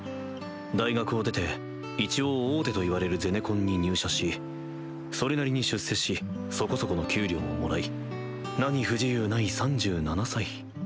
大学を出て一応大手といわれるゼネコンに入社しそれなりに出世しそこそこの給料をもらい何不自由ない３７歳。